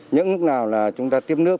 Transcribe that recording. những lúc nào là chúng ta tiếp nước